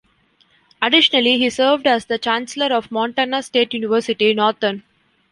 Additionally, he served as the Chancellor of Montana State University-Northern.